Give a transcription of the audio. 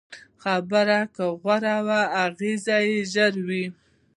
خبره که غوره وي، اغېز یې ژور وي.